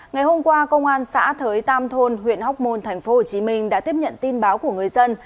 ngày hôm qua công an xã thới tam thôn huyện hóc môn tp hcm đã tiếp nhận tin báo của người dân